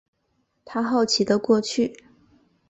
他好奇的过去